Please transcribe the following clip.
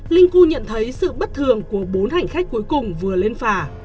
linh cưu nhận thấy sự bất thường của bốn hành khách cuối cùng vừa lên phả